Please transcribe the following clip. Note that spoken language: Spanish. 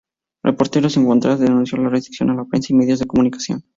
Reporteros sin Fronteras denunció las restricciones a la prensa y los medios de comunicación.